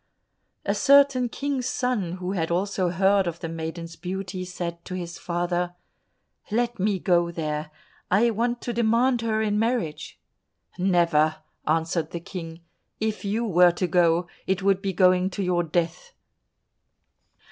A certain King's son who had also heard of the maiden's beauty, said to his father, "Let me go there, I want to demand her in marriage." "Never," answered the King; "if you were to go, it would be going to your death."